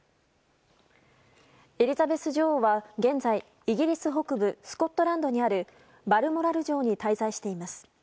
エリザベス女王は現在イギリス北部スコットランドにあるバルモラル城に滞在しています。